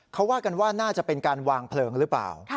เขาว่ากันว่าน่าจะเป็นการวางเพลิงหรือเปล่า